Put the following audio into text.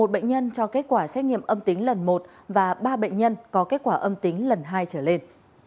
một bệnh nhân cho kết quả xét nghiệm âm tính lần một và ba bệnh nhân có kết quả âm tính lần hai trở lên